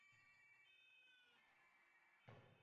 Hamma narsaning davosi vaqt deganlar, rost aytishgan ekan